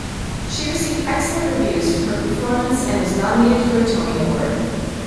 She received excellent reviews for her performance and was nominated for a Tony Award.